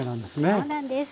そうなんです。